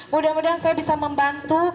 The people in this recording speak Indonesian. mudah mudahan saya bisa membantu